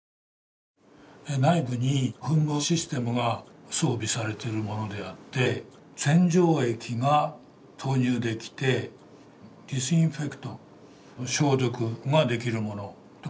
内部に噴霧システムが装備されているものであって洗浄液が投入できて「ｄｉｓｉｎｆｅｃｔ」消毒ができるものって書かれてる。